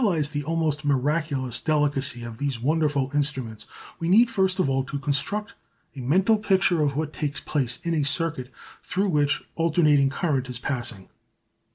] To realise the almost miraculous delicacy of these wonderful instruments we need first of all to construct a mental picture of what takes place in a circuit through which alternating current is passing.